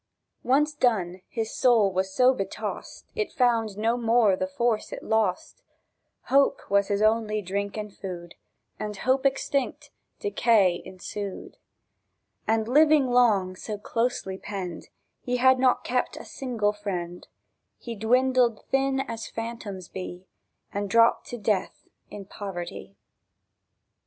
Once done, his soul was so betossed, It found no more the force it lost: Hope was his only drink and food, And hope extinct, decay ensued. And, living long so closely penned, He had not kept a single friend; He dwindled thin as phantoms be, And drooped to death in poverty ..